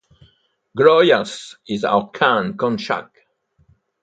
Glorious is our Khan Konchak!